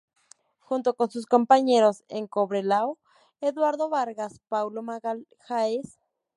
Junto con sus compañeros en Cobreloa, Eduardo Vargas, Paulo Magalhães.